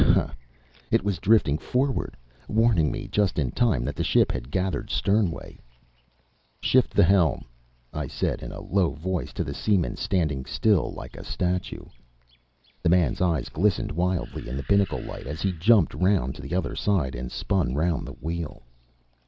Ha! It was drifting forward, warning me just in time that the ship had gathered sternaway. "Shift the helm," I said in a low voice to the seaman standing still like a statue. The man's eyes glistened wildly in the binnacle light as he jumped round to the other side and spun round the wheel.